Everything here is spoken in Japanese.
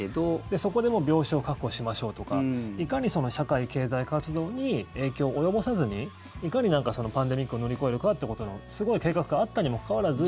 そこで病床を確保しましょうとかいかに社会・経済活動に影響を及ぼさずにいかにパンデミックを乗り越えるかってことのすごい計画があったにもかかわらず。